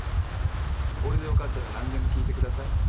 俺でよかったら何でも聞いてください。